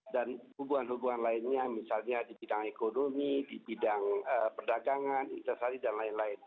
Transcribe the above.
dan hubungan hubungan lainnya misalnya di bidang ekonomi di bidang perdagangan interesasi dan lain lain